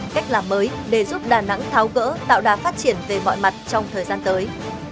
cách làm mới để giúp đà nẵng tháo cỡ tạo đà phát triển về mọi mặt trong thời gian tới